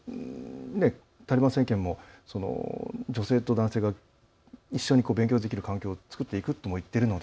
タリバン政権も、女性と男性が一緒に勉強できる環境を作っていくともいっているので。